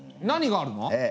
何があるの？